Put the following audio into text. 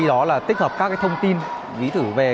đúng rồi đúng rồi